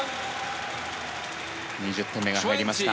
２０点目が入りました。